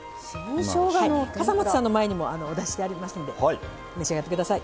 笠松さんの前にもお出ししてありますので召し上がってください。